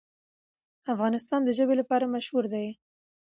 افغانستان د ژبې لپاره مشهور دی.